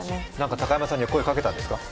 高山さんには何か声をかけたんですか？